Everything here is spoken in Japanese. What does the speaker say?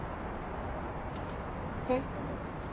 えっ？